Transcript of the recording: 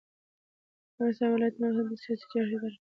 د افغانستان ولايتونه د افغانستان د سیاسي جغرافیه برخه ده.